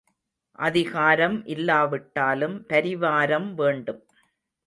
அதிகாரம் இல்லாவிட்டாலும் பரிவாரம் வேண்டும்.